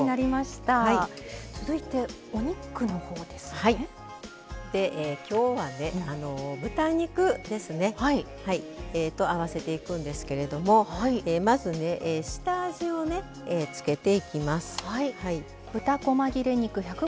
で今日はね豚肉ですねと合わせていくんですけれどもまずね下味をね付けていきます。